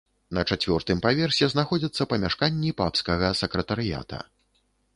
На чацвёртым паверсе знаходзяцца памяшканні папскага сакратарыята.